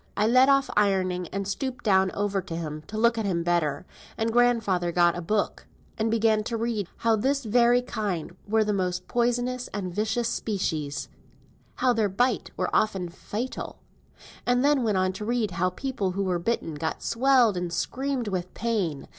I left off ironing, and stooped down over him, to look at him better, and grandfather got a book, and began to read how this very kind were the most poisonous and vicious species, how their bite were often fatal, and then went on to read how people who were bitten got swelled, and screamed with pain.